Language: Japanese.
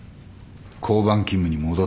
交番勤務に戻ってもらう。